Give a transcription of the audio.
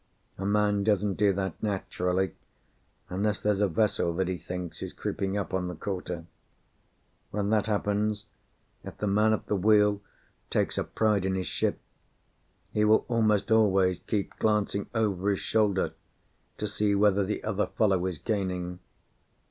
A man doesn't do that naturally, unless there's a vessel that he thinks is creeping up on the quarter. When that happens, if the man at the wheel takes a pride in his ship, he will almost always keep glancing over his shoulder to see whether the other fellow is gaining.